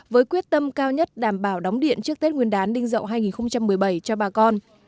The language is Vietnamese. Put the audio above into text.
với quyết tâm cao nhất đảm bảo đóng điện trước tết nguyên đán đinh dậu hai nghìn một mươi bảy cho bà con